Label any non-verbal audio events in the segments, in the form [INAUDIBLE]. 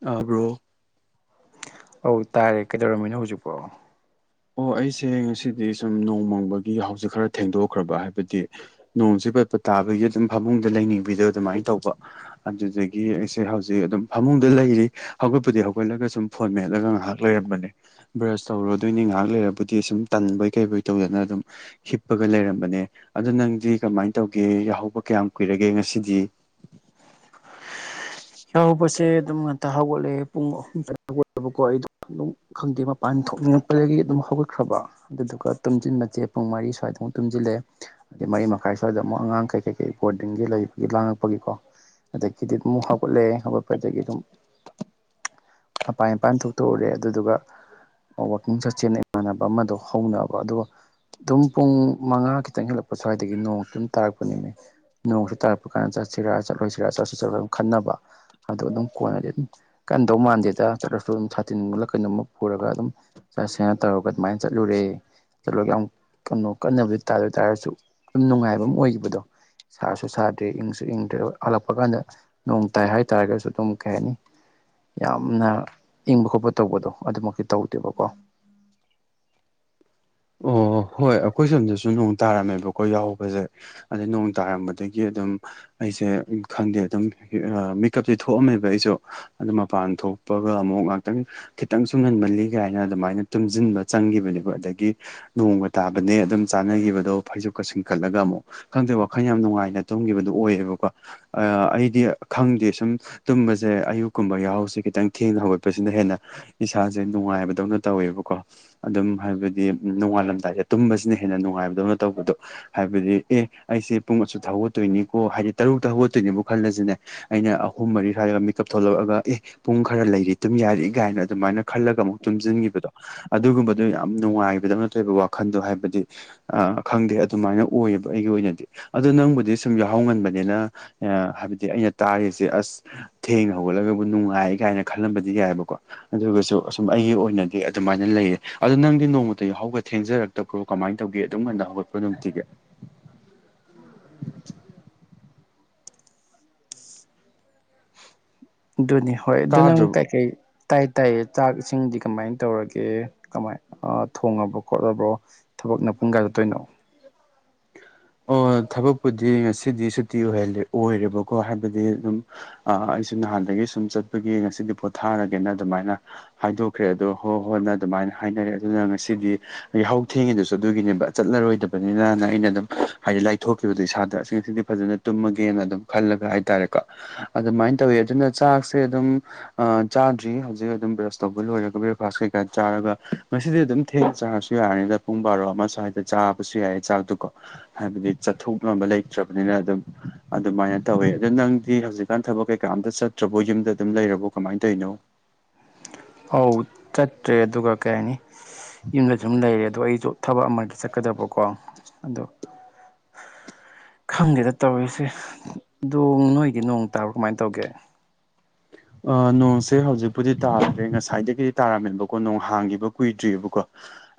ꯇꯥꯕ꯭ꯔꯣ ꯑꯧ ꯇꯥꯏ ꯀꯩꯗꯧꯔꯝꯃꯤꯅꯣ ꯍꯧꯖꯤꯛꯐꯥꯎ ꯑꯣ ꯑꯩꯁꯦ ꯉꯁꯤꯗꯤ ꯁꯨꯝ ꯅꯣꯡꯃꯪꯕꯒꯤ ꯍꯧꯖꯤꯛ ꯈꯔ ꯊꯦꯡꯗꯣꯛꯈ꯭ꯔꯕ ꯍꯥꯏꯕꯗꯤ ꯅꯣꯡꯁꯦ ꯄꯠꯄꯠ ꯇꯥꯕꯒꯤ ꯑꯗꯨꯝ ꯐꯥꯃꯨꯡꯗ ꯂꯩꯅꯤꯡꯕꯤꯗꯣ ꯑꯗꯨꯃꯥꯏꯅ ꯇꯧꯕ ꯑꯗꯨꯗꯒꯤ ꯑꯩꯁꯦ ꯍꯧꯖꯤꯛ ꯑꯗꯨꯝ ꯐꯃꯨꯡꯗ ꯂꯩꯔꯤ ꯍꯧꯒꯠꯄꯨꯗꯤ ꯍꯧꯒꯠꯂꯒ ꯁꯨꯝ ꯐꯣꯟ ꯃꯦꯠꯂꯒ ꯉꯥꯏꯍꯥꯛ ꯂꯩꯔꯝꯕꯅꯦ ꯕ꯭ꯔꯁ ꯇꯧꯔꯗꯣꯏꯅꯤ ꯉꯥꯏꯍꯥꯛ ꯂꯩꯔꯕꯨꯗꯤ ꯁꯨꯝ ꯇꯟꯕꯩ ꯀꯩꯕꯩ ꯇꯧꯗꯅ ꯑꯗꯨꯝ ꯍꯤꯞꯄꯒ ꯂꯩꯔꯝꯕꯅꯦ ꯑꯗꯣ ꯅꯪꯗꯤ ꯀꯃꯥꯏꯟ ꯇꯧꯒꯦ ꯌꯥꯍꯧꯕ ꯀꯌꯥꯝ ꯀꯨꯏꯔꯒꯦ ꯉꯁꯤꯗꯤ ꯌꯥꯍꯧꯕꯁꯦ ꯑꯗꯨꯝ ꯉꯥꯛꯇ ꯍꯧꯒꯠꯂꯦ ꯄꯨꯡ ꯑꯍꯨꯝꯗ ꯍꯧꯒꯠꯂꯦꯕꯀꯣ ꯑꯩꯗꯣ ꯑꯗꯨꯝ ꯈꯪꯗꯦ ꯃꯄꯥꯟ ꯊꯣꯛꯅꯤꯡꯉꯛꯄꯗꯒꯤ ꯑꯗꯨꯝ ꯍꯧꯒꯠꯈ꯭ꯔꯕ ꯑꯗꯨꯗꯨꯒ ꯇꯨꯝꯁꯤꯟꯕꯁꯦ ꯄꯨꯡ ꯃꯔꯤ ꯁ꯭ꯋꯥꯏꯗꯨ ꯇꯨꯝꯁꯤꯜꯂꯑꯦ ꯑꯗꯩ ꯃꯔꯤ ꯃꯈꯥꯏ ꯁ꯭ꯋꯥꯏꯗ ꯑꯃꯨꯛ ꯑꯉꯥꯡꯈꯩ ꯀꯩꯀꯩ ꯕꯣꯔꯗꯤꯡꯒꯤ ꯂꯩꯕꯒꯤ ꯂꯥꯡꯉꯛꯄꯒꯤꯀꯣ ꯑꯗꯒꯤꯗꯤ ꯑꯃꯨꯛ ꯍꯧꯒꯠꯂꯦ ꯍꯧꯒꯠꯄꯗꯒꯤ ꯑꯗꯨꯝ ꯃꯄꯥꯥꯟ ꯏꯄꯥꯟ ꯊꯣꯛꯇꯣꯛꯎꯔꯦ ꯑꯗꯨꯗꯨꯒ ꯑ ꯋꯥꯛꯀꯤꯡ ꯆꯠꯁꯦꯅ ꯏꯃꯥꯟꯅꯕ ꯑꯃꯗꯣ ꯍꯧꯅꯕ ꯑꯗꯨꯒ ꯑꯗꯨꯝ ꯄꯨꯡ ꯃꯉꯥ ꯈꯤꯇꯪ ꯍꯦꯜꯂꯛꯄ ꯁ꯭ꯋꯥꯏꯗꯒꯤ ꯅꯣꯡ ꯑꯗꯨꯝ ꯇꯥꯔꯛꯄꯅꯤꯃꯤ ꯅꯣꯡꯁꯨ ꯇꯥꯔꯛꯄ ꯀꯥꯟ ꯆꯠꯁꯤꯔꯥ ꯆꯠꯂꯣꯏꯁꯤꯔꯥ ꯆꯠꯁꯨ ꯆꯠꯂꯣꯏ ꯑꯗꯨꯝ ꯈꯟꯅꯕ ꯑꯗꯣ ꯑꯗꯨꯝ ꯀꯣꯟꯅꯗꯤ ꯀꯟꯗꯧ ꯃꯥꯟꯗꯦꯗ ꯆꯠꯂꯁꯨ ꯑꯗꯨꯝ ꯁꯥꯇꯤꯟꯂ ꯀꯩꯅꯣꯝꯃ ꯄꯨꯔꯒ ꯑꯗꯨꯝ ꯆꯠꯁꯦ ꯍꯥꯏꯅ ꯇꯧꯔꯒ ꯑꯗꯨꯃꯥꯏꯅ ꯆꯠꯂꯨꯔꯦ ꯆꯠꯂꯒ ꯌꯥꯝ ꯀꯩꯅꯣ ꯀꯟꯅꯕꯨꯗꯤ ꯇꯥ ꯇꯥꯔꯁꯨ ꯑꯗꯨꯝ ꯅꯨꯡꯉꯥꯏꯕꯝ ꯑꯣꯏꯒꯤꯕꯗꯣ ꯁꯥꯁꯨ ꯁꯥꯗꯦ ꯏꯪꯁꯨ ꯏꯪꯗ꯭ꯔꯦ ꯍꯜꯂꯛꯄ ꯀꯥꯟꯗ ꯅꯣꯡ ꯇꯥꯏ ꯍꯥꯏꯇꯥꯥꯔꯒꯁꯨ ꯑꯗꯨꯝ ꯀꯩ ꯍꯥꯏꯅꯤ ꯌꯥꯝꯅ ꯏꯪꯕ ꯈꯣꯠꯄ ꯇꯧꯕꯗꯣ ꯑꯗꯨꯃꯛꯇꯤ ꯇꯧꯗꯦꯕꯀꯣ ꯑꯣ ꯍꯣꯏ ꯑꯩꯈꯣꯏ ꯁꯣꯝꯗꯁꯨ ꯅꯣꯡ ꯇꯥꯔꯝꯃꯦꯕ ꯑꯩꯈꯣꯏ ꯌꯥꯍꯧꯕꯁꯦ ꯑꯗ ꯅꯣꯡ ꯇꯥꯔꯝꯕꯗꯒꯤ ꯑꯗꯨꯝ ꯑꯩꯁꯦ ꯈꯪꯗꯦ ꯑꯗꯨꯝ ꯃꯤꯀꯞꯇꯤ ꯊꯣꯛꯑꯝꯃꯦꯕ ꯑꯩꯁꯨ ꯑꯗꯨ ꯃꯄꯥꯟ ꯊꯣꯛꯄꯒ ꯑꯃꯨꯛ ꯉꯥꯛꯇꯪ ꯈꯤꯇꯪꯁꯨ ꯉꯟꯃꯜꯂꯤ ꯀꯥꯏꯅ ꯑꯗꯨꯃꯥꯏꯅ ꯇꯨꯝꯁꯤꯟꯕ ꯆꯪꯒꯤꯕꯅꯦꯕ ꯑꯗꯒꯤ ꯅꯣꯡꯒ ꯇꯥꯕꯅꯦ ꯑꯗꯨꯝ ꯆꯥꯅꯒꯤꯕꯗꯣ ꯐꯩꯖꯨꯞꯀ ꯆꯤꯡꯈꯠꯂꯒ ꯑꯃꯨꯛ ꯈꯪꯗꯦ ꯋꯥꯈꯜ ꯌꯥꯝ ꯅꯨꯡꯉꯥꯏꯅ ꯇꯨꯝꯒꯤꯕꯗꯨ ꯑꯣꯏꯌꯦꯕꯀꯣ ꯑꯩꯗꯤ ꯈꯪꯗꯦ ꯁꯨꯝ ꯇꯨꯝꯕꯁꯦ ꯑꯌꯨꯛꯀꯨꯝꯕ ꯌꯥꯍꯧꯁꯦ ꯈꯤꯇꯪ ꯊꯦꯡꯅ ꯍꯧꯒꯠꯄꯁꯤꯅ ꯍꯦꯟꯅ ꯏꯁꯥꯁꯦ ꯅꯨꯡꯉꯥꯏꯕꯗꯧꯅ ꯇꯧꯋꯦꯕꯀꯣ ꯑꯗꯨꯝ ꯍꯥꯏꯕꯗꯤ ꯎ ꯅꯣꯡꯉꯥꯜꯂꯝꯗꯥꯏꯁꯦ ꯇꯨꯝꯕꯁꯤꯅ ꯍꯦꯟꯅ ꯅꯨꯡꯉꯥꯏꯕꯗꯧꯅ ꯇꯧꯕꯗꯣ ꯍꯥꯏꯕꯗꯤ ꯑꯦ ꯑꯩꯁꯦ ꯄꯨꯡ ꯑꯁꯨꯛꯇ ꯍꯧꯒꯠꯇꯣꯏꯅꯤꯀꯣ ꯍꯥꯏꯗꯤ ꯇꯔꯨꯛꯇ ꯍꯧꯒꯠꯇꯣꯏꯅꯦꯕꯨ ꯈꯜꯂꯁꯤꯅꯦ ꯑꯩꯅ ꯑꯍꯨꯝ ꯃꯔꯤ ꯁ꯭ꯋꯥꯏꯗꯒ ꯃꯤꯀꯞ ꯊꯣꯛꯂꯛꯑꯒ ꯑꯦ ꯄꯨꯡ ꯈꯔ ꯂꯩꯔꯤ ꯇꯨꯝ ꯌꯥꯔꯤ ꯀꯥꯏꯅ ꯑꯗꯨꯃꯥꯏꯅ ꯈꯜꯂꯒ ꯑꯃꯨꯛ ꯇꯨꯝꯖꯤꯟꯒꯤꯕꯗꯣ ꯑꯗꯨꯒꯨꯝꯕꯗꯨ ꯌꯥꯝ ꯅꯨꯡꯉꯥꯏꯕꯗꯧꯅ ꯇꯧꯏꯕ ꯋꯥꯈꯟꯗꯣ ꯍꯥꯏꯕꯗꯤ ꯑ ꯈꯪꯗꯦ ꯑꯗꯨꯃꯥꯏꯅ ꯑꯣꯏꯌꯦꯕ ꯑꯩꯒꯤ ꯑꯣꯏꯅꯗꯤ ꯑꯗ ꯅꯪꯕꯨꯗꯤ ꯁꯨꯝ ꯌꯥꯎꯍꯧꯒꯟꯕꯅꯤꯅ ꯑꯦ ꯍꯥꯏꯕꯗꯤ ꯑꯩꯅ ꯇꯥꯔꯤꯁꯦ ꯑꯁ ꯊꯦꯡꯅ ꯍꯧꯒꯠꯂꯒꯕꯨ ꯅꯨꯡꯉꯥꯏ ꯀꯥꯏꯅ ꯈꯜꯂꯝꯕꯗꯤ ꯌꯥꯏꯑꯕꯀꯣ ꯑꯗꯨꯒꯁꯨ ꯑꯁꯨꯝ ꯑꯩꯒꯤ ꯑꯣꯏꯅꯗꯤ ꯑꯗꯨꯃꯥꯏꯅ ꯂꯩꯌꯦ ꯑꯗꯣ ꯅꯪꯗꯤ ꯅꯣꯡꯃꯇ ꯌꯥꯎꯍꯒꯗ ꯊꯦꯡꯖꯔꯛꯇꯕ꯭ꯔꯣ ꯀꯃꯥꯏ ꯇꯧꯒꯦ ꯑꯗꯨꯝ ꯀꯥꯟꯗ ꯍꯧꯒꯠꯄꯣ ꯅꯨꯡꯇꯤꯒꯦ ꯑꯗꯨꯅꯤ ꯍꯣꯏ ꯑꯗꯨ ꯅꯪ ꯇꯥꯗ꯭ꯔꯕ ꯀꯩꯀꯩ ꯇꯥꯏ ꯇꯥꯏ ꯆꯥꯛ ꯏꯁꯤꯡꯗꯤ ꯀꯃꯥꯏꯅ ꯇꯧꯔꯒꯦ ꯀꯃꯥꯏ ꯑꯥ ꯊꯣꯡꯉꯕ꯭ꯔꯣ ꯈꯣꯠꯂꯕ꯭ꯔꯣ ꯊꯕꯛꯅ ꯄꯨꯡ ꯀꯌꯥ ꯆꯠꯇꯣꯏꯅꯣ ꯑꯣ ꯊꯕꯛꯄꯨꯗꯤ ꯉꯁꯤꯗꯤ ꯁꯨꯇꯤ ꯑꯣꯏꯍꯂꯦ ꯑꯣꯏꯔꯦꯕꯀꯣ ꯍꯥꯏꯕꯗꯤ ꯑꯗꯨꯝ ꯑ ꯑꯩꯁꯨ ꯅꯍꯥꯟꯗꯒꯤ ꯁꯨꯝ ꯆꯠꯄꯒꯤ ꯉꯁꯤꯗꯤ ꯄꯣꯠꯊꯥꯔꯒꯦꯅ ꯑꯗꯨꯃꯥꯏꯅ ꯍꯥꯏꯗꯣꯛꯈ꯭ꯔꯦ ꯑꯗꯣ ꯍꯣ ꯍꯣꯟꯅ ꯑꯗꯨꯃꯥꯏꯅ ꯍꯥꯏꯅꯔꯦ ꯑꯗꯨꯅ ꯉꯁꯤꯗꯤ ꯌꯥꯍꯧ ꯊꯦꯡꯉꯤꯗꯨꯁꯨ ꯑꯗꯨꯒꯤꯅꯦꯕ ꯆꯠꯂꯔꯣꯏꯗꯕꯅꯤꯅꯅ ꯑꯩꯅ ꯑꯗꯨꯝ ꯍꯥꯏꯗꯤ ꯂꯥꯏꯊꯣꯛꯈꯤꯕꯗꯣ ꯏꯁꯥꯗꯁꯤꯡꯁꯤꯗꯤ ꯐꯖꯅ ꯇꯨꯝꯃꯒꯦꯅ ꯑꯗꯨꯝ ꯈꯜꯂꯒ ꯍꯥꯏꯇꯥꯔꯦꯀꯣ ꯑꯗꯨꯃꯥꯏꯅ ꯇꯧꯋꯤ ꯑꯗꯨꯅ ꯆꯥꯛꯁꯦ ꯑꯗꯨꯝ ꯑꯥ ꯆꯥꯗ꯭ꯔꯤ ꯍꯧꯖꯤꯛ ꯑꯗꯨꯝ ꯕ꯭ꯔꯁ ꯇꯧꯕ ꯂꯣꯏꯔꯒ ꯕ꯭ꯔꯦꯛꯐꯥꯁ ꯀꯩꯀꯥ ꯆꯥꯔꯒ ꯉꯁꯤꯗꯤ ꯑꯗꯨꯝ ꯊꯦꯡ ꯆꯥꯔꯁꯨ ꯌꯥꯔꯅꯤꯗ ꯄꯨꯡ ꯕꯥꯔꯣ ꯑꯃ ꯁ꯭ꯋꯥꯏꯗ ꯆꯥꯕꯁꯨ ꯌꯥꯏꯌꯦ ꯆꯥꯛꯇꯀꯣ ꯍꯥꯏꯕꯗꯤ ꯆꯠꯊꯣꯛꯅꯕ ꯂꯩꯇ꯭ꯔꯕꯅꯤꯅ ꯑꯗꯨꯝ ꯑꯗꯨꯃꯥꯏꯅ ꯇꯧꯋꯦ ꯑꯗꯨ ꯅꯪꯗꯤ ꯍꯧꯖꯤꯛ ꯀꯥꯟ ꯊꯕꯛ ꯀꯩꯀꯥꯝꯇ ꯆꯠꯇ꯭ꯔꯕꯣ ꯌꯨꯝꯗ ꯑꯗꯨꯝ ꯂꯩꯔꯕꯣ ꯀꯃꯥꯏꯅ ꯇꯧꯔꯤꯅꯣ ꯑꯧ ꯆꯠꯇ꯭ꯔꯦ ꯑꯗꯨꯒ ꯀꯩ ꯍꯥꯏꯅꯤ ꯌꯨꯝꯗ ꯁꯨꯝ ꯂꯩꯔꯦ ꯑꯗꯣ ꯑꯩꯁꯨ ꯊꯕꯛ ꯑꯃꯒꯤ ꯆꯠꯀꯗꯕꯀꯣ ꯑꯗꯣ ꯈꯪꯗꯦꯗ ꯇꯧꯔꯤꯁꯦ ꯗꯣꯡ ꯅꯣꯏꯒꯤ ꯅꯣꯡ ꯇꯥꯕꯣ ꯀꯃꯥꯏꯟ ꯇꯧꯒꯦ ꯑ ꯅꯣꯡꯁꯦ ꯍꯧꯖꯤꯛꯄꯨꯗꯤ ꯇꯥꯗ꯭ꯔꯦ ꯉꯁꯥꯏꯗꯒꯤꯗꯤ ꯇꯥꯔꯝꯃꯦꯕꯀꯣ ꯅꯣꯡ ꯍꯥꯡꯒꯤꯕ ꯀꯨꯏꯗ꯭ꯔꯤꯑꯕꯀꯣ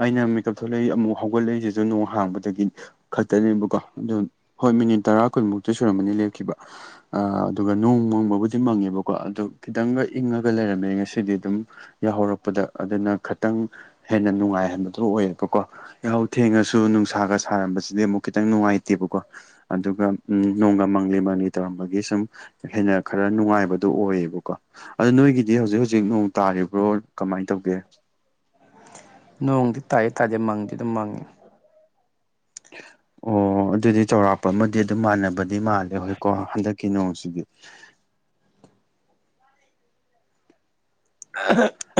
ꯑꯩꯅ ꯃꯦꯀꯞ ꯊꯣꯛꯂꯛꯏ ꯑꯃꯨꯛ ꯍꯧꯒꯠꯂꯛꯏꯁꯤꯁꯨ ꯅꯣꯡ ꯍꯥꯡꯕꯗꯒꯤ ꯈꯛꯇꯅꯦꯕꯀꯣ ꯑꯗꯨ ꯍꯣꯏ ꯃꯤꯅꯤꯠ ꯇꯔꯥ ꯀꯨꯟꯃꯨꯛꯇꯤ ꯁꯨꯔꯝꯃꯅꯤ ꯂꯦꯞꯈꯤꯕ ꯑ ꯑꯗꯨꯒ ꯅꯣꯡ ꯃꯪꯕꯕꯨꯗꯤ ꯃꯪꯉꯦꯕꯀꯣ ꯑꯗꯨ ꯈꯤꯇꯪꯒ ꯏꯪꯉꯒ ꯂꯩꯔꯝꯃꯦ ꯉꯁꯤꯗꯤ ꯑꯗꯨꯝ ꯌꯥꯍꯧꯔꯛꯄꯗ ꯑꯗꯨꯅ ꯈꯇꯪ ꯍꯦꯟꯅ ꯅꯨꯡꯉꯥꯏꯍꯟꯕꯗꯨ ꯑꯣꯏꯌꯦꯕꯀꯣ ꯌꯥꯍꯧ ꯊꯦꯡꯉꯁꯨ ꯅꯨꯡꯁꯥꯒ ꯁꯥꯔꯝꯕꯁꯤꯗꯤ ꯑꯃꯨꯛ ꯈꯤꯇꯪ ꯅꯨꯡꯉꯥꯏꯇꯦꯕꯀꯣ ꯑꯗꯨꯒ ꯎꯝ ꯅꯣꯡꯒ ꯃꯪꯂꯤ ꯃꯪꯂꯤ ꯇꯧꯔꯝꯕꯒꯤ ꯁꯨꯝ ꯍꯦꯟꯅ ꯈꯔ ꯅꯨꯡꯉꯥꯏꯕꯗꯨ ꯑꯣꯏꯌꯦꯕ ꯀꯣ ꯑꯗꯨ ꯅꯣꯏꯒꯤꯗꯤ ꯍꯧꯖꯤꯛ ꯍꯧꯖꯤꯛ ꯅꯣꯡ ꯇꯥꯔꯤꯕ꯭ꯔꯣ ꯀꯃꯥꯏꯟ ꯇꯧꯒꯦ ꯅꯣꯡꯗꯤ ꯇꯥꯌꯦ ꯇꯥꯗꯦ ꯃꯪꯗꯤ ꯑꯗꯨꯝ ꯃꯪꯉꯤ [UNINTELLIGIBLE] ꯑꯣ ꯑꯗꯨꯗꯤ ꯆꯥꯎꯧꯔꯥꯛꯄ ꯑꯃꯗꯤ ꯑꯗꯨꯝ ꯃꯥꯟꯅꯕꯗꯤ ꯃꯥꯜꯂꯦ ꯍꯣꯏꯀꯣ ꯍꯟꯗꯛꯀꯤ ꯅꯣꯡꯁꯤꯗꯤ [UNINTELLIGIBLE]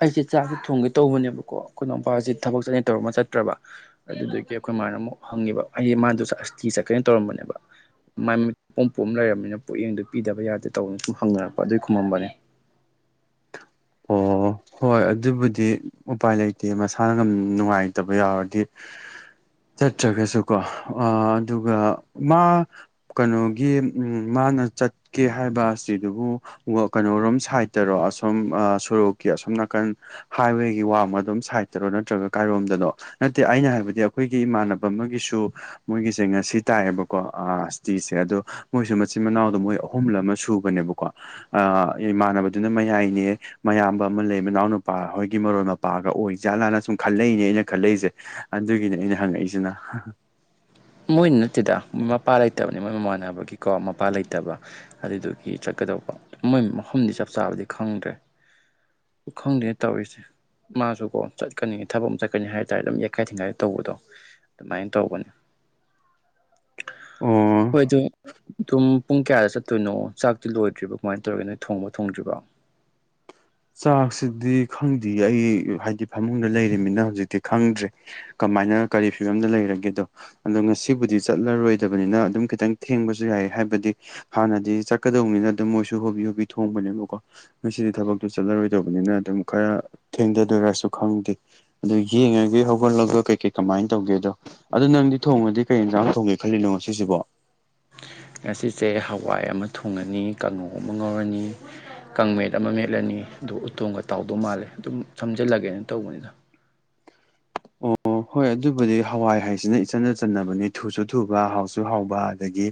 ꯑꯩꯁꯦ ꯆꯥꯛꯁꯤ ꯊꯣꯡꯒꯦ ꯇꯧꯕꯅꯦꯕꯀꯣ ꯑꯩꯈꯣꯏ ꯅꯎꯄꯥꯁꯦ ꯊꯕꯛ ꯆꯠꯅ ꯇꯧꯔ ꯑꯃ ꯆꯠꯇ꯭ꯔꯕ ꯑꯗꯨꯗꯒꯤ ꯑꯩꯈꯣꯏ ꯃꯥꯅ ꯑꯃꯨꯛ ꯍꯪꯉꯤꯕ ꯑꯩꯁ ꯃꯥꯗꯨꯁꯨ ꯑꯁꯇꯤ ꯆꯠꯀꯦꯅ ꯇꯧꯔꯝꯕꯅꯦꯕ ꯃꯥꯏ ꯃꯤꯠ ꯏꯄꯣꯝ ꯄꯣꯝ ꯂꯩꯔꯝꯅꯤꯅ ꯄꯨꯛꯌꯦꯡꯗꯨ ꯄꯤꯗꯕ ꯌꯥꯗꯦ ꯇꯧꯕꯅ ꯁꯨꯝ ꯍꯪꯅꯔꯛꯄ ꯑꯗꯨꯏ ꯈꯨꯝꯃꯝꯕꯅꯦ ꯑꯣ ꯍꯣꯏ ꯑꯗꯨꯕꯨꯗꯤ ꯎꯄꯥꯏ ꯂꯩꯇꯦ ꯃꯁꯥꯅ ꯅꯨꯡꯉꯥꯏꯇꯕ ꯌꯥꯎꯔꯗꯤ ꯆꯠꯇ꯭ꯔꯒꯁꯨ ꯀꯣ ꯑꯥ ꯑꯗꯨꯒ ꯃꯥ ꯀꯩꯅꯣꯒꯤ ꯃꯥꯅ ꯆꯠꯀꯦ ꯍꯥꯏꯕ ꯑꯁꯇ꯭ꯔꯤꯗꯨꯕꯨ ꯋꯥ ꯀꯩꯅꯣꯔꯨꯝ ꯁꯥꯏꯠꯇꯔꯣ ꯑꯁꯨꯝ ꯑꯥ ꯁꯣꯔꯣꯛꯀꯤ ꯑꯁꯨꯝ ꯅꯥꯀꯟ ꯍꯥꯏꯋꯦꯒꯤ ꯋꯥꯡꯃ ꯑꯗꯨꯝ ꯁꯥꯏꯗꯠꯇꯔꯣ ꯅꯠꯇ꯭ꯔꯒ ꯀꯥꯏꯔꯣꯝꯗꯅꯣ ꯅꯠꯇꯦ ꯑꯩꯅ ꯍꯥꯏꯕꯗꯤ ꯑꯈꯣꯏꯒꯤ ꯏꯃꯥꯟꯅꯕ ꯑꯃꯒꯤꯁꯨ ꯃꯣꯏꯒꯤꯁꯦ ꯉꯁꯤ ꯇꯥꯏꯌꯦꯕꯀꯣ ꯑ ꯏꯁꯇꯤꯁꯦ ꯑꯗꯨ ꯃꯣꯏꯁꯨ ꯃꯆꯤꯟ ꯃꯅꯥꯎꯗꯣ ꯃꯣꯏ ꯑꯍꯨꯝꯂ ꯑꯃ ꯁꯨꯕꯅꯦꯕꯀꯣ ꯑꯥ ꯏꯃꯥꯟꯅꯕꯗꯨꯅ ꯃꯌꯥꯏꯅꯦ ꯃꯌꯥꯝꯕ ꯑꯃ ꯂꯩ ꯃꯅꯥꯎꯅꯨꯄꯥ ꯍꯣꯏꯒꯤ ꯃꯔꯣꯏ ꯃꯄꯥꯒ ꯑꯣꯏ ꯖꯥꯠꯂꯥꯅ ꯁꯨꯝ ꯈꯜꯂꯛꯏꯅꯦ ꯑꯩꯅ ꯈꯜꯂꯛꯏꯁꯦ ꯑꯗꯨꯒꯤꯅꯦ ꯑꯩꯅ ꯍꯪꯉꯛꯏꯁꯤꯅ ꯃꯣꯏꯅ ꯅꯠꯇꯦꯗ ꯃꯄꯥ ꯂꯩꯇꯕꯅꯦ ꯃꯣꯏ ꯃꯃꯥꯟꯅꯕꯒꯤꯀꯣ ꯃꯄꯥ ꯂꯩꯇꯕ ꯑꯗꯨꯗꯨꯒꯤ ꯆꯠꯀꯗꯧꯕ ꯃꯣꯏ ꯃꯐꯝꯗꯤ ꯆꯞ ꯆꯥꯕꯗꯤ ꯈꯪꯗ꯭ꯔꯦ ꯈꯪꯗꯦ ꯇꯧꯔꯤꯁꯦ ꯃꯥꯁꯨ ꯀꯣ ꯆꯠꯀꯅꯤ ꯊꯕꯛ ꯑꯝ ꯆꯠꯀꯅꯤ ꯍꯥꯏ ꯇꯥꯔ ꯑꯗꯨꯝ ꯌꯦꯛꯈꯥꯏ ꯊꯤꯡꯒꯥꯏ ꯇꯧꯕꯗꯣ ꯑꯗꯨꯃꯥꯏꯅ ꯇꯧꯕꯅꯦ ꯑꯣ ꯍꯣꯏ ꯑꯗꯨ ꯑꯗꯨꯝ ꯄꯨꯡ ꯀꯌꯥꯗ ꯆꯠꯇꯣꯏꯅꯣ ꯆꯥꯛꯇꯤ ꯂꯣꯏꯗ꯭ꯔꯤꯕ ꯀꯃꯥꯏꯅ ꯇꯧꯔꯒꯦ ꯅꯣꯏ ꯊꯣꯡꯕ ꯊꯣꯡꯗ꯭ꯔꯤꯕꯣ ꯆꯥꯛꯁꯤꯗꯤ ꯈꯪꯗꯦ ꯑꯩ ꯍꯥꯏꯗꯤ ꯐꯃꯨꯡꯗ ꯂꯩꯔꯤꯃꯤꯅ ꯍꯧꯖꯤꯛꯇꯤ ꯈꯪꯗ꯭ꯔꯤ ꯀꯃꯥꯏꯅ ꯀꯔꯤ ꯐꯤꯕꯝꯗ ꯂꯩꯔꯒꯦꯗꯣ ꯑꯗꯣ ꯉꯁꯤꯕꯨꯗꯤ ꯆꯠꯂꯔꯣꯏꯗꯕꯅꯤꯅ ꯑꯗꯨꯝ ꯈꯤꯇꯪ ꯊꯦꯡꯕꯁꯨ ꯌꯥꯏ ꯍꯥꯏꯕꯗꯤ ꯍꯥꯟꯅꯗꯤ ꯆꯠꯀꯗꯧꯝꯅꯤꯅ ꯑꯗꯨꯝ ꯃꯣꯏꯁꯨ ꯍꯣꯕꯤ ꯍꯣꯕꯤ ꯊꯣꯡꯕꯅꯦꯕꯀꯣ ꯉꯁꯤꯗꯤ ꯊꯕꯛ ꯑꯗꯨ ꯆꯠꯂꯔꯣꯏꯗꯧꯕꯅꯤꯅ ꯑꯗꯨꯝ ꯈꯔ ꯊꯦꯡꯊꯗꯣꯏꯔꯁꯨ ꯈꯪꯗꯦ ꯑꯗꯒꯤ ꯌꯦꯡꯉꯒ ꯍꯧꯒꯠꯂꯒ ꯀꯩ ꯀꯩ ꯀꯃꯥꯏ ꯇꯧꯒꯦꯗꯣ ꯑꯗꯨ ꯅꯪꯗꯤ ꯊꯣꯡꯉꯗꯤ ꯀꯩ ꯌꯦꯟꯁꯥꯡ ꯊꯣꯡꯒꯦ ꯈꯜꯂꯤꯅꯣ ꯉꯁꯤꯁꯤꯕꯣ ꯉꯁꯤꯁꯦ ꯍꯋꯥꯏ ꯑꯃ ꯊꯣꯡꯉꯅꯤ ꯀꯥꯡꯉꯧ ꯑꯃ ꯉꯧꯔꯅꯤ ꯀꯪꯃꯦꯠ ꯑꯃ ꯃꯦꯠꯂꯅꯤ ꯑꯗꯨ ꯎꯇꯣꯡꯒ ꯇꯥꯎꯗꯧ ꯃꯥꯜꯂꯦ ꯑꯗꯨꯝ ꯁꯝꯖꯤꯜꯂꯒꯦꯅ ꯇꯧꯕꯅꯤꯗ ꯑꯣ ꯍꯣꯏ ꯑꯗꯨꯕꯨꯗꯤ ꯍꯋꯥꯏ ꯍꯥꯏꯁꯤꯅ ꯏꯆꯟꯅ ꯆꯟꯅꯕꯅꯤ ꯊꯨꯁꯨ ꯊꯨꯕ ꯍꯥꯎꯁꯨ ꯍꯥꯎꯕ ꯑꯗꯒꯤ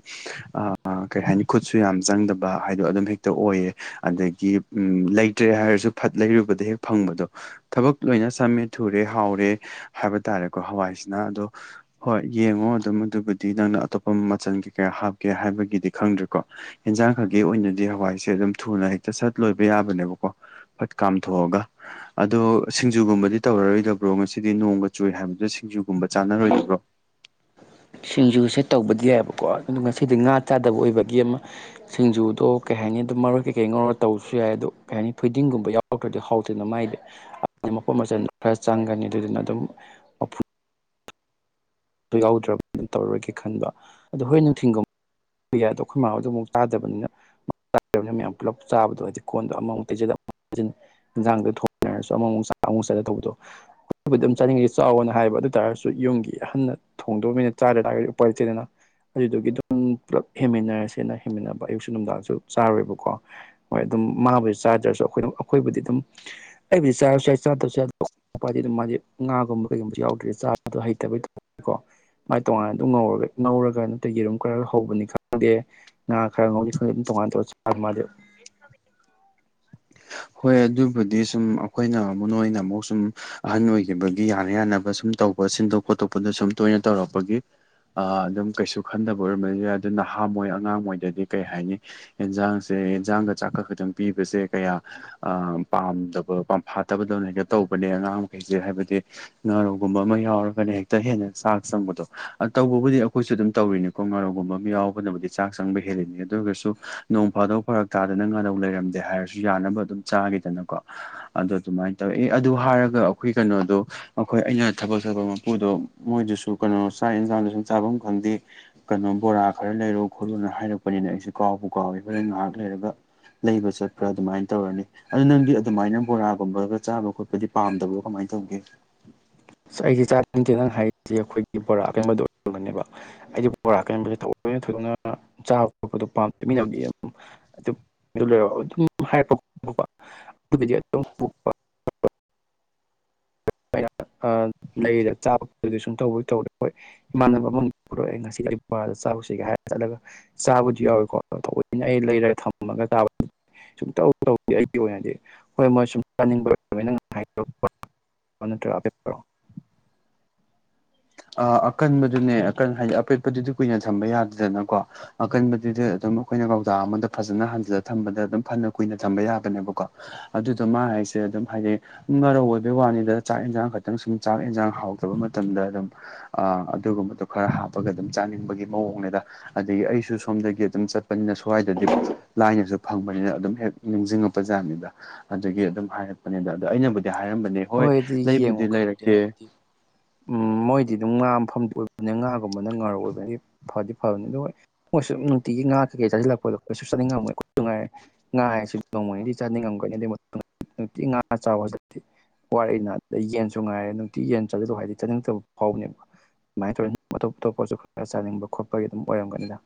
ꯑ ꯀꯩ ꯍꯥꯏꯅꯤ ꯈꯨꯠꯁꯨ ꯌꯥꯝ ꯆꯪꯗꯕ ꯍꯥꯏꯗꯣ ꯑꯗꯨꯝ ꯍꯦꯛꯇ ꯑꯣꯏꯌꯦ ꯑꯗꯒꯤ ꯎꯝ ꯂꯩꯇ꯭ꯔꯦ ꯍꯥꯏꯔꯁꯨ ꯐꯠ ꯂꯩꯔꯨꯕꯗ ꯍꯦꯛ ꯐꯪꯕꯗꯣ ꯊꯕꯛ ꯂꯣꯏꯅ ꯁꯝꯃꯦ ꯊꯨꯔꯦ ꯍꯥꯎꯔꯦ ꯍꯥꯏꯕ ꯇꯥꯔꯦꯀꯣ ꯍꯋꯥꯏꯁꯤꯅ ꯑꯗꯣ ꯍꯣꯏ ꯌꯦꯡꯉꯣ ꯑꯗꯨꯝ ꯃꯗꯨꯕꯨꯗꯤ ꯅꯪꯅ ꯑꯇꯣꯞꯄ ꯃꯆꯜ ꯀꯩ ꯀꯌꯥ ꯍꯥꯞꯀꯦ ꯍꯥꯏꯕꯒꯤꯗꯤ ꯈꯪꯗ꯭ꯔꯦꯀꯣ ꯍꯦꯟꯖꯥꯡ ꯈꯛꯀꯤ ꯑꯣꯏꯅꯗꯤ ꯍꯋꯥꯏꯁꯦ ꯑꯗꯨꯝ ꯊꯨꯅ ꯍꯦꯛꯇ ꯁꯠ ꯂꯣꯏꯕ ꯌꯥꯕꯅꯦꯕꯀꯣ ꯐꯠ ꯀꯥꯝꯊꯣꯛꯑꯒ ꯑꯗꯣ ꯁꯤꯡꯖꯨꯒꯨꯝꯕꯗꯤ ꯇꯧꯔꯔꯣꯏꯗꯕ꯭ꯔꯣ ꯉꯁꯤ ꯁꯤꯗꯤ ꯅꯣꯡꯃ ꯆꯨꯏ ꯍꯥꯏꯕꯗꯨ ꯁꯤꯡꯖꯨꯒꯨꯝꯕ ꯆꯥꯅꯔꯣꯏꯗꯕ꯭ꯔꯣ ꯁꯤꯡꯖꯨꯁꯦ ꯇꯧꯕꯗꯤ ꯌꯥꯏꯕꯀꯣ ꯑꯗꯨ ꯉꯁꯤꯗꯤ ꯉꯥ ꯆꯥꯗꯕ ꯑꯣꯏꯕꯒꯤ ꯑꯃ ꯁꯤꯡꯖꯨꯗꯣ ꯀꯩ ꯍꯥꯏꯅꯤ ꯑꯗꯨꯝ ꯃꯔꯣꯏ ꯀꯩꯀꯩ ꯉꯧꯅꯒ ꯇꯧꯕꯁꯨ ꯌꯥꯏ ꯑꯗꯣ ꯀꯩ ꯍꯥꯏꯅꯤ ꯐꯤꯗꯤꯡꯒꯨꯝꯕ ꯌꯥꯎ ꯍꯥꯎꯗ꯭ꯔꯗꯤ ꯍꯥꯎꯗꯦꯅ ꯃꯥꯏꯗꯤ ꯑꯗꯨꯗꯤ ꯃꯄꯣꯠ ꯃꯆꯟ ꯈꯔ ꯆꯪꯒꯅꯤ ꯑꯗꯨꯗꯨꯅ ꯑꯗꯨꯝ ꯃꯐꯨꯗꯣ ꯌꯥꯎꯗ꯭ꯔꯕ ꯇꯧꯔꯣꯏꯒꯦ ꯈꯟꯕ ꯑꯣ ꯍꯣꯏ ꯅꯨꯡꯊꯤꯟꯒꯨꯝ ꯌꯥꯗꯣ ꯑꯈꯣꯏ ꯃꯥ ꯍꯣꯏꯗꯣ ꯑꯃꯨꯛ ꯇꯥꯗꯕꯅꯤꯅ ꯆꯗꯕꯅꯤꯅ ꯃꯌꯥꯝ ꯄꯨꯂꯞ ꯆꯥꯕꯗꯣ ꯍꯥꯏꯗꯤ ꯀꯣꯟꯗꯣ ꯑꯃꯃꯨꯛ ꯇꯩꯖꯤꯟ ꯃꯨꯛ ꯇꯩꯖꯤꯟ ꯌꯦꯟꯖꯥꯡꯗ ꯊꯣꯡꯅꯔꯁꯨ ꯑꯃꯃꯨꯛ ꯆꯥ ꯑꯃꯃꯨꯛ ꯆꯥꯗ ꯇꯧꯕꯗꯣ ꯕꯨꯗꯤ ꯑꯗꯨꯝ ꯆꯥꯅꯤꯡꯉꯦ ꯆꯥꯋꫭꯅ ꯍꯥꯏꯕ ꯑꯗꯨ ꯇꯥꯔꯁꯨ ꯌꯨꯝꯒꯤ ꯑꯍꯟꯅ ꯊꯣꯡꯗꯣꯅꯤꯅ ꯆꯥ ꯗꯇꯥꯔꯗꯤ ꯎꯄꯥꯏ ꯂꯩꯇꯦꯗꯅ ꯑꯗꯨꯗꯨꯒꯤ ꯑꯗꯨꯝ ꯄꯨꯂꯞ ꯍꯦꯃꯤꯟꯅꯔꯁꯦꯅ ꯍꯦꯃꯤꯟꯅꯕ ꯑꯌꯨꯛꯁꯨ ꯅꯨꯡꯗꯥꯡꯁꯨ ꯆꯥꯔꯣꯏꯕꯀꯣ ꯍꯣꯏ ꯑꯗꯨꯝ ꯃꯥꯕꯨꯗꯤ ꯆꯥꯗ꯭ꯔꯁꯨ ꯑꯩꯈꯣꯏ ꯑꯩꯈꯣꯏꯕꯨꯗꯤ ꯑꯗꯨꯝ ꯑꯩꯕꯨꯗꯤ ꯆꯥꯔꯁꯨ ꯌꯥꯏ ꯆꯥꯗꯕꯁꯨ ꯎꯄꯥꯏꯗꯤ ꯑꯗꯨꯝ ꯃꯥꯗꯤ ꯉꯥꯒꯨꯝꯕ ꯀꯩꯒꯨꯝꯕꯁꯨ ꯌꯥꯎꯗ꯭ꯔꯦ ꯆꯥꯕꯗꯣ ꯍꯩꯇꯕꯩ ꯀꯣ ꯃꯥꯏ ꯇꯣꯉꯥꯟꯅ ꯑꯗꯨꯝ ꯉꯧꯔ ꯉꯧꯔꯒ ꯅꯠꯇ꯭ꯔ ꯌꯦꯔꯨꯝ ꯈꯔ ꯍꯧꯕꯅꯤ ꯈꯪꯗꯦ ꯉꯥ ꯈꯔ ꯉꯧꯗꯤ ꯈꯪꯗꯦ ꯇꯉꯥꯟ ꯇꯧꯔ ꯆꯥ ꯃꯥꯗꯤ ꯍꯣꯏ ꯑꯗꯨꯕꯨꯗꯤ ꯁꯨꯝ ꯑꯈꯣꯏꯅ ꯑꯃꯨꯛ ꯅꯣꯏꯅ ꯑꯃꯨꯛ ꯁꯨꯝ ꯑꯍꯟ ꯑꯣꯏꯈꯤꯕꯒꯤ ꯌꯥꯅ ꯌꯥꯅꯕ ꯁꯨꯝ ꯇꯧꯕ ꯁꯤꯟꯗꯣꯛ ꯈꯣꯠꯇꯣꯛꯄꯗ ꯁꯨꯝ ꯇꯣꯏꯅ ꯇꯧꯔꯛꯄꯒꯤ ꯑꯥ ꯑꯗꯨꯝ ꯀꯩꯁꯨ ꯈꯟꯗꯕ ꯑꯣꯏꯔꯝꯃꯖꯨ ꯌꯥꯏ ꯑꯗꯨꯅ ꯍꯥꯃꯣꯏ ꯑꯉꯥꯡ ꯃꯣꯏꯗꯗꯤ ꯀꯩ ꯍꯥꯏꯅꯤ ꯑꯦꯟꯖꯥꯡꯁꯦ ꯌꯦꯟꯖꯥꯡꯒ ꯆꯥꯛꯀ ꯈꯇꯪ ꯄꯤꯕꯁꯦ ꯀꯌꯥ ꯑ ꯄꯥꯝꯗꯕ ꯄꯥꯝꯐꯥꯠꯇꯕꯗꯧꯅ ꯍꯦꯇ ꯇꯧꯕꯅꯦ ꯑꯉꯥꯡ ꯃꯈꯩꯁꯦ ꯍꯥꯏꯕꯗꯤ ꯉꯥꯔꯧꯒꯨꯝꯕ ꯑꯃ ꯌꯥꯎꯔꯒꯅ ꯍꯦꯛꯇ ꯍꯦꯟꯅ ꯆꯥꯛ ꯆꯪꯕꯗꯣ ꯇꯧꯕꯕꯨꯗꯤ ꯑꯈꯣꯏꯁꯨ ꯑꯗꯨꯝ ꯇꯧꯔꯤꯅꯦ ꯀꯣ ꯉꯥꯔꯧꯒꯨꯝꯕ ꯑꯝ ꯌꯥꯎꯕꯅꯕꯨꯗꯤ ꯆꯥꯛ ꯆꯪꯕ ꯍꯦꯜꯂꯤꯅꯤ ꯑꯗꯨ ꯑꯣꯏꯒꯁꯨ ꯅꯣꯡ ꯐꯥꯗꯣꯛ ꯐꯔꯛ ꯇꯥꯗꯅ ꯉꯥꯔꯧ ꯂꯩꯔꯝꯗꯦ ꯍꯥꯏꯔꯁꯨ ꯌꯥꯅꯕ ꯑꯗꯨꯝ ꯆꯥꯒꯤꯗꯅꯀꯣ ꯑꯗꯨ ꯗꯨꯃꯥꯏꯟ ꯇꯧꯋꯦ ꯑꯦ ꯑꯗꯨ ꯍꯥꯏꯔꯒ ꯑꯈꯣꯏ ꯀꯩꯅꯣꯗꯣ ꯑꯈꯣꯏ ꯑꯩꯅ ꯊꯕꯛ ꯆꯠꯄ ꯃꯄꯨꯗꯣ ꯃꯣꯏꯗꯨꯁꯨ ꯀꯩꯅꯣ ꯆꯥꯛ ꯑꯦꯟꯖꯥꯡꯗꯨ ꯁꯨꯝ ꯆꯥꯕꯝ ꯈꯪꯗꯦ ꯀꯩꯅꯣ ꯕꯣꯔꯥ ꯈꯔ ꯂꯩꯔꯧ ꯈꯣꯂꯨꯅ ꯍꯥꯏꯔꯛꯄꯅꯤꯅꯦ ꯑꯩꯁꯦ ꯀꯥꯎꯕꯨ ꯀꯥꯎꯋꯤ ꯍꯣꯔꯦꯟ ꯉꯥꯍꯥꯛ ꯂꯩꯔꯒ ꯂꯩꯕ ꯆꯠ ꯇꯧꯔꯅꯤ ꯑꯗꯨ ꯅꯪꯗꯤ ꯑꯗꯨꯃꯥꯏꯅ ꯕꯣꯔꯥꯒꯨꯝꯕꯒ ꯆꯥꯕ ꯈꯣꯠꯄꯗꯤ ꯄꯥꯝꯗꯕ꯭ꯔꯣ ꯀꯃꯥꯏ ꯇꯧꯒꯦ ꯑꯁ ꯑꯩꯗꯤ ꯆꯥꯅꯤꯡꯇꯦ ꯅꯪ ꯍꯥꯏꯔꯤꯁꯦ ꯈꯣꯏꯒꯤ ꯕꯣꯔꯥ ꯑꯀꯪꯕꯗꯣ ꯑꯣꯏꯔꯝꯃꯅꯦꯕ ꯑꯩꯗꯤ ꯕꯣꯔꯥ ꯑꯀꯟꯕꯁꯦ ꯊꯥꯑꯣꯏ [UNINTELLIGIBLE] ꯆꯥꯕ ꯈꯣꯠꯄꯗꯣ ꯄꯥꯝꯗꯦ ꯃꯤꯅꯕꯨꯗꯤ ꯌꯥꯝ ꯑꯗꯨ ꯗꯨ ꯂꯣꯏꯔ ꯑꯗꯨꯝ ꯍꯥꯏꯔꯛꯄ [UNINTELLIGIBLE] ꯑꯥ ꯂꯩꯔ [UNINTELLIGIBLE] ꯑꯗꯨꯗꯤ ꯁꯨꯝ ꯇꯧꯕ ꯇꯧꯔꯦ ꯍꯣꯏ ꯏꯃꯥꯟꯅꯕ ꯑꯃꯅꯤ ꯄꯨꯔꯛꯑꯦ ꯉꯁꯤ ꯑꯩ ꯕꯣꯔꯥꯗ ꯆꯥꯎꯁꯤꯒꯦ ꯍꯥꯏꯔ ꯆꯠꯂꯒ ꯆꯥꯕꯨꯗꯤ ꯌꯥꯎꯋꯦꯀꯣ ꯊꯑꯣꯏꯅ ꯑꯩ ꯂꯩꯔꯒ ꯊꯝꯃꯒ ꯆꯥꯕ ꯁꯨꯡꯇꯧ ꯇꯧꯗꯦ ꯑꯩꯒꯤ ꯑꯣꯏꯅꯗꯤ ꯍꯣꯏ ꯃꯣꯏ ꯁꯨꯝ ꯆꯥꯅꯤꯡꯕ [UNINTELLIGIBLE] ꯅꯠꯇ꯭ꯔꯒ [UNINTELLIGIBLE] ꯑ ꯑꯀꯟꯕꯗꯨꯅꯦ ꯑꯀꯟ ꯍꯥꯏꯗꯤ ꯑꯄꯦꯠꯄꯗꯨꯗꯤ ꯀꯨꯏꯅ ꯊꯝꯕ ꯌꯥꯗꯦꯗꯅꯀꯣ ꯑꯀꯟꯕꯗꯨꯗꯤ ꯑꯗꯨꯝ ꯑꯈꯣꯏꯅ ꯀꯧꯇꯥ ꯑꯃꯗ ꯐꯖꯅ ꯍꯟꯖꯤꯜꯂ ꯊꯝꯕꯗ ꯑꯗꯨꯝ ꯐꯅ ꯀꯨꯏꯅ ꯊꯝꯕ ꯌꯥꯕꯅꯦꯕꯀꯣ ꯑꯗꯨꯗꯣ ꯃꯥ ꯍꯥꯏꯁꯦ ꯑꯗꯨꯝ ꯍꯥꯏꯗꯤ ꯉꯔꯧ ꯑꯣꯏꯕꯩ ꯋꯥꯅꯤꯗ ꯆꯥꯛ ꯑꯦꯟꯖꯥꯡ ꯈꯇꯪ ꯁꯨꯝ ꯆꯥꯛ ꯑꯦꯟꯖꯥꯡ ꯍꯥꯎꯇꯕ ꯃꯇꯝꯗ ꯑꯗꯨꯝ ꯑ ꯑꯗꯨꯒꯨꯝꯕꯗꯣ ꯈꯔ ꯍꯥꯞꯄꯒ ꯑꯗꯨꯝ ꯆꯥꯅꯤꯡꯕꯒꯤ ꯃꯑꯣꯡꯅꯦꯗ ꯑꯗꯒꯤ ꯑꯩꯁꯨ ꯁꯣꯝꯗꯒꯤ ꯑꯗꯨꯝ ꯆꯠꯄꯅꯤꯅ ꯁ꯭ꯋꯥꯏꯗꯗꯤ ꯂꯥꯏꯅꯖꯨ ꯐꯪꯕꯅꯤꯅ ꯑꯗꯨꯝ ꯍꯦꯛ ꯅꯤꯡꯖꯤꯡꯉꯛꯄ ꯖꯥꯠꯅꯤꯗ ꯑꯗꯨꯒꯤ ꯑꯗꯨꯝ ꯍꯥꯏꯔꯛꯄꯅꯤꯗ ꯑꯗꯣ ꯑꯩꯅꯕꯨꯗꯤ ꯍꯥꯏꯔꯝꯕꯅꯦ ꯍꯣꯏ ꯑꯗꯨꯗꯤ ꯌꯦꯡꯉꯣ ꯂꯩꯕꯨꯗꯤ ꯈꯪꯗꯦ ꯂꯩꯔꯛꯀꯦ ꯍꯥꯏꯕꯗꯤ ꯎꯝ ꯃꯣꯏꯗꯤ ꯑꯗꯨꯝ ꯉꯥ ꯃꯐꯝꯗꯤ ꯑꯣꯏꯕꯅꯦ ꯉꯥꯒꯨꯝꯕꯅ ꯉꯥꯔꯧ ꯑꯣꯏꯕꯅꯤ ꯐꯗꯤ ꯐꯕꯅꯤ ꯑꯗꯨ ꯍꯣꯏ ꯃꯣꯏꯁꯨꯝ ꯅꯨꯡꯇꯤꯒꯤ ꯉꯥ ꯀꯩꯀꯩ ꯆꯥꯖꯤꯜꯂꯛꯄꯗꯣ ꯀꯩꯁꯨ ꯆꯥꯅꯤꯡꯉꯝꯃꯣꯏ ꯈꯣꯏꯖꯨ ꯉꯥꯏꯔꯦ ꯉꯥ ꯍꯥꯏꯁꯤ ꯅꯣꯡꯃꯅꯤꯗꯤ ꯆꯥꯅꯤꯡꯉꯝꯒꯅꯤ ꯑꯗꯨꯏ ꯃꯇꯨꯡ ꯅꯨꯡꯇꯤ ꯉꯥ ꯆꯥꯎ ꯍꯥꯏꯁꯤꯗꯤ ꯋꯥꯔꯛꯏꯅ ꯑꯗꯩ ꯌꯦꯟꯁꯨ ꯉꯥꯏꯔꯦ ꯅꯨꯡꯇꯤ ꯌꯦꯟ ꯆꯥꯖꯤꯜꯂꯣ ꯍꯥꯏꯗꯤ ꯆꯥꯅꯤꯡꯇꯕ ꯐꯥꯎꯕꯅꯦꯕ ꯃꯥꯏꯟ ꯇꯧꯔꯦ ꯑꯇꯣꯞ ꯑꯇꯣꯞꯄꯁꯨ ꯈꯔ ꯆꯥꯅꯤꯡꯕ ꯈꯣꯠꯄꯒꯤ ꯑꯗꯨꯝ ꯑꯣꯏꯔꯝꯒꯅꯤꯗ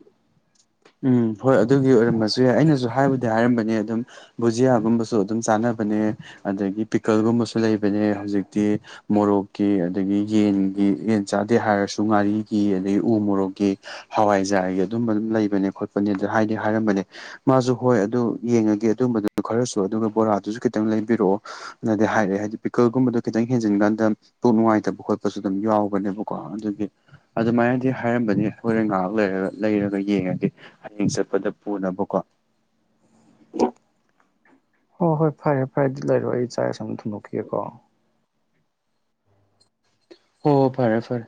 ꯎꯝ ꯍꯣꯏ ꯑꯗꯨꯒꯤ ꯑꯣꯏꯔꯝꯕꯖꯨ ꯌꯥꯏ ꯑꯩꯅꯖꯨ ꯍꯥꯏꯕꯨꯗꯤ ꯍꯥꯏꯔꯝꯕꯅꯦ ꯑꯗꯨꯝ ꯕꯨꯖꯤꯌꯥꯒꯨꯝꯕꯁꯨ ꯑꯗꯨꯝ ꯆꯥꯅꯕꯅꯦ ꯑꯗꯒꯤ ꯄꯤꯀꯜꯒꯨꯝꯕꯁꯨ ꯂꯩꯕꯅꯦ ꯍꯧꯖꯤꯛꯇꯤ ꯃꯣꯔꯣꯛꯀꯤ ꯑꯗꯒꯤ ꯌꯦꯟꯒꯤ ꯌꯦꯟ ꯆꯥꯗꯦ ꯍꯥꯏꯔꯁꯨ ꯉꯥꯔꯤꯒꯤ ꯑꯗꯒꯤ ꯎ ꯃꯣꯔꯣꯛꯀꯤ ꯍꯋꯥꯏꯖꯥꯔꯒꯤ ꯑꯗꯨꯝꯕ ꯑꯗꯨꯝ ꯂꯩꯕꯅꯦ ꯈꯣꯠꯄꯅꯦ ꯗꯤ ꯍꯥꯏꯗꯤ ꯍꯥꯏꯔꯝꯕꯅꯦ ꯃꯥꯖꯨ ꯍꯣꯏ ꯑꯗꯨ ꯌꯦꯡꯉꯒꯦ ꯑꯗꯨꯝꯕꯗꯨ ꯈꯔꯁꯨ ꯑꯗꯨꯒ ꯕꯣꯔꯥꯗꯨꯖꯨ ꯈꯤꯇꯪ ꯂꯩꯕꯤꯔꯣꯑꯣ ꯅꯗꯤ ꯍꯥꯏꯔꯦ ꯍꯥꯏꯗꯤ ꯄꯤꯀꯜꯒꯨꯝꯕꯗꯣ ꯈꯤꯇꯪ ꯍꯦꯟꯖꯤꯟꯒꯥꯟꯗ ꯄꯨꯛ ꯅꯨꯉꯥꯏꯇꯕ ꯈꯣꯠꯄꯁꯨ ꯗꯨꯝ ꯌꯥꯎꯕꯅꯦꯕꯀꯣ ꯑꯗꯨꯒꯤ ꯑꯗꯨꯃꯥꯏꯅꯗꯤ ꯍꯥꯏꯔꯝꯕꯅꯤ ꯍꯣꯔꯦꯟ ꯉꯥꯍꯥꯛ ꯂꯩꯔꯒ ꯂꯩꯔꯒ ꯌꯦꯡꯉꯦ ꯒꯦ ꯍꯌꯦꯡ ꯆꯠꯄꯗ ꯄꯨꯅꯕꯀꯣ ꯍꯣ ꯍꯣꯏ ꯐꯔꯦ ꯐꯔꯦ ꯗꯤ ꯂꯩꯔꯣ ꯑꯩ ꯆꯥꯛ ꯏꯁꯤꯡ ꯊꯨꯡꯗꯣꯛꯈꯤꯒꯦꯀꯣ ꯍꯣ ꯍꯣ ꯐꯔꯦ ꯐꯔꯦ